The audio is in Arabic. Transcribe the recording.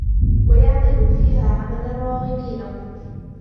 وَيَعْمَلُ فِيهَا عَمَلَ الرَّاغِبِينَ